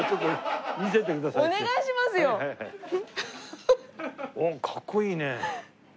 おっかっこいいね。